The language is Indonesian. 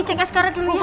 saya kasih askara dulu ya